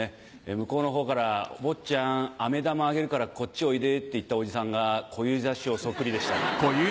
向こうの方から「坊ちゃんあめ玉あげるからこっちおいで」って言ったおじさんが小遊三師匠そっくりでした。